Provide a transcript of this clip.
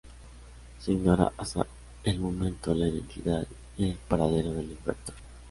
Se ignora hasta el momento la identidad y el paradero del infractor.